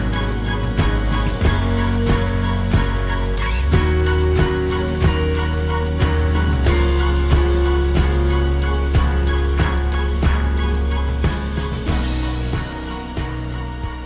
ก็จะเป็นแบบนี้ค่ะเราเองก็ต้องมีที่จะช่วยกันด้วยในเรื่องนี้